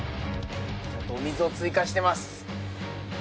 お水を追加してます。